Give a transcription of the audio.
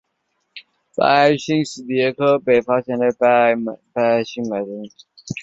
该系统的白矮星是第一颗被发现的白矮星脉冲星。